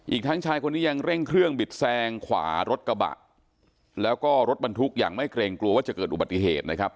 อีกทั้งชายคนนี้ยังเร่งเครื่องบิดแซงขวารถกระบะแล้วก็รถบรรทุกอย่างไม่เกรงกลัวว่าจะเกิดอุบัติเหตุนะครับ